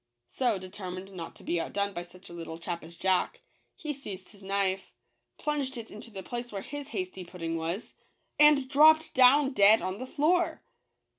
So, determined not to be outdone by such a little chap as Jack, he seized his knife ! plunged it into the place where his hasty pudding was !! and dropped down dead on the floor